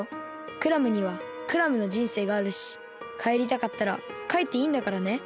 クラムにはクラムのじんせいがあるしかえりたかったらかえっていいんだからね。